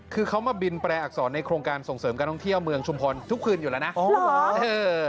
คือเขามาบินแปรอักษรในโครงการส่งเสริมการท่องเที่ยวเมืองชุมพรทุกคืนอยู่แล้วนะ